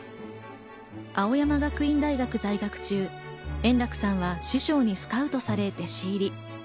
青山学院大学在学中、円楽さんは師匠にスカウトされ、弟子入り。